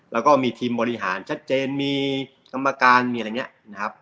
แล้วก็มีทีมบริหารชัดเจนมีกรรมการมีอะไรอย่างนี้นะครับ